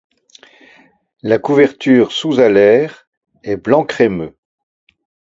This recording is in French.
La couverture sous-alaire est blanc crémeux.